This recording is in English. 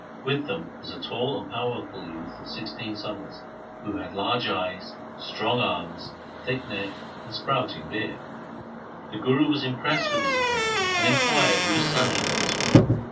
With them was a tall and powerful youth of sixteen summers, who had large eyes, strong arms, thick neck, and sprouting beard. The Guru was impressed with his appearance, and inquired whose son he was.